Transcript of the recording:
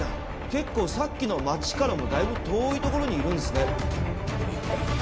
結構さっきの町からもだいぶ遠い所にいるんすね。